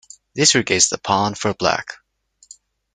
This regains the pawn for Black.